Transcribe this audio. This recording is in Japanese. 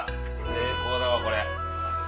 成功だわこれ。